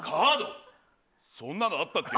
そんなのあったっけ？